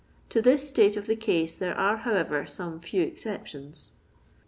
To this state of the case there are, however, some few exceptions.